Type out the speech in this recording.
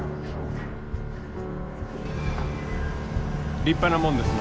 立派なもんですな。